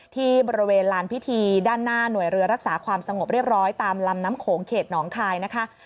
ที่บริเวณลานพิธีด้านหน้าหน่วยเรือรักษาความสงบเรียบร้อยตามลำน้ำโขงเขตหนองคายนะคะ